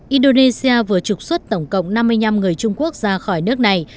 indonesia vừa trục xuất tổng cộng năm mươi năm người trung quốc ra khỏi nước này